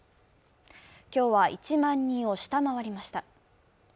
今日は１万人を下回りました。